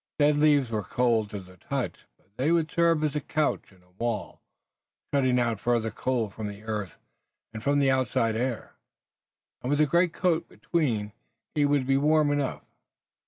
Dead leaves were cold to the touch, but they would serve as a couch and a wall, shutting out further cold from the earth and from the outside air, and with the greatcoat between, he would be warm enough.